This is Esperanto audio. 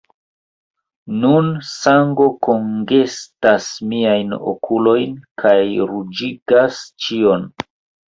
Nun, sango kongestas miajn okulojn, kaj ruĝigas ĉion.